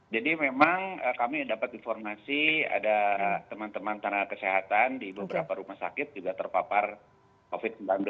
jadi memang kami dapat informasi ada teman teman tenaga kesehatan di beberapa rumah sakit juga terpapar covid sembilan belas